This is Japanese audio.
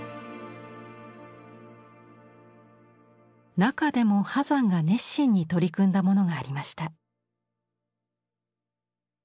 中でも波山が熱心に取り組んだものがありました。